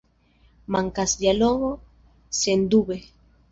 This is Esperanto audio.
Mankas dialogo, sendube!